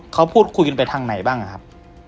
เขาพูดคุยกันไปทางไหนบ้างครับ